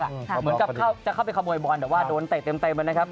เหมือนกับจะเข้าไปขโมยบอลแต่ว่าโดนเตะเต็มแล้วนะครับ